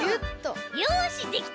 よしできた！